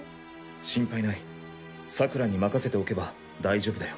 心配ないサクラに任せておけば大丈夫だよ。